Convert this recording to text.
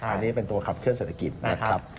อันนี้เป็นตัวขับเคลื่อเศรษฐกิจนะครับ